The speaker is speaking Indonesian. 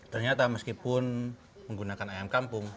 ternyata meskipun menggunakan ayam kampung